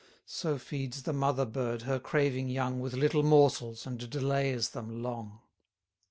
So feeds the mother bird her craving young With little morsels, and delays them long.